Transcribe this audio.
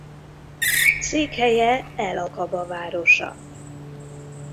Székhelye el-Akaba városa.